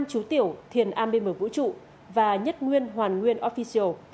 năm chú tiểu thiền am bên bờ vũ trụ và nhất nguyên hoàn nguyên official